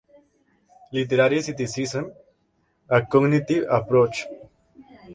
Literary Criticism: A Cognitive Approach.